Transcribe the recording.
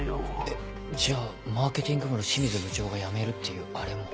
えっじゃあマーケティング部の清水部長が辞めるっていうアレも。